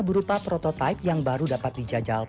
berupa prototipe yang baru dapat dijajal